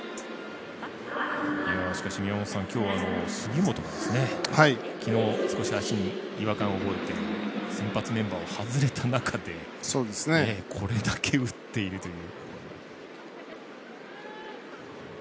しかし、宮本さん、今日は杉本が昨日、少し足に違和感を覚えて先発メンバーを外れた中でこれだけ打っているという。